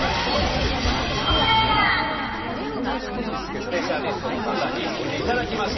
スペシャリストの方にお出で頂きました。